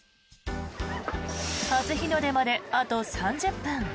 初日の出まであと３０分。